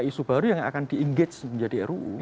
isu baru yang akan di engage menjadi ruu